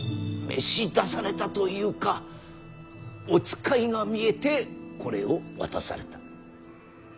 召し出されたというかお使いが見えてこれを渡された。